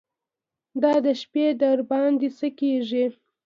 چې دا د شپې درباندې څه کېږي.